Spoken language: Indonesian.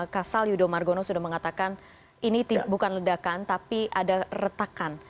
kasal yudo margono sudah mengatakan ini bukan ledakan tapi ada retakan